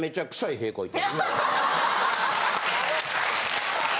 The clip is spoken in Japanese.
屁こいて。